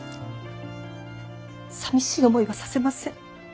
さみしい思いはさせません。